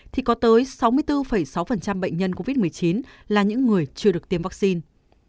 thì có tới sáu mươi bốn sáu bệnh nhân covid một mươi chín là những người chưa được tiêm vaccine